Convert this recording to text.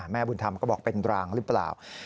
แม่บุญธรรมก็บอกเป็นรางหรือเปล่า